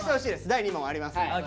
第２問ありますんで。